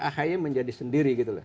ahy menjadi sendiri gitu loh